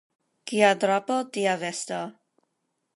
Kia drapo, tia vesto.